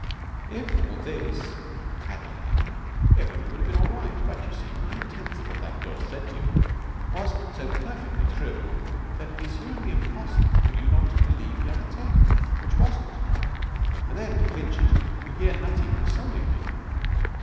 If all this had not happened everything would have been all right. But, you see, nine tenths of what that girl said to you was so perfectly true that it is humanly impossible for you not to believe the other tenth, which wasn't. And then, to clinch it, you hear Nutty consoling me.